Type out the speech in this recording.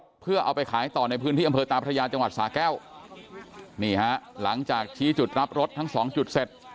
เพื่อเอาไปขายต่อในพื้นที่อำเภอตาพระยาจังหวัดสาแก้วนี่ฮะหลังจากชี้จุดรับรถทั้งสองจุดเสร็จ